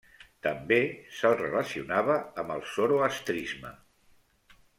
També se'l relacionava amb el zoroastrisme.